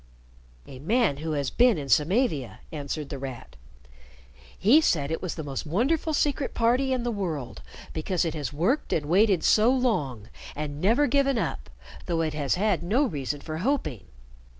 "A man who has been in Samavia," answered The Rat. "He said it was the most wonderful Secret Party in the world, because it has worked and waited so long, and never given up, though it has had no reason for hoping.